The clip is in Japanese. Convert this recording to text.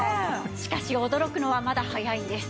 しかし驚くのはまだ早いんです。